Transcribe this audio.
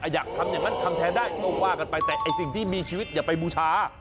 อยากทำอย่างนั้นทำแทนได้ก็ว่ากันไปแต่ไอ้สิ่งที่มีชีวิตอย่าไปบูชา